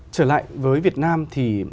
trở lại với việt nam thì